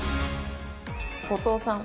後藤さん。